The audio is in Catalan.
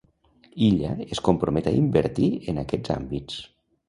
Illa es compromet a invertir en aquests àmbits.